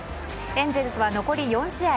エンゼルスは残り４試合。